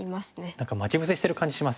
何か待ち伏せしてる感じしますよね。